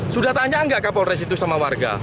sudah tanya nggak kapolres itu sama warga